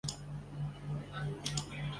有什么方法可以帮助他们脱离贫穷呢。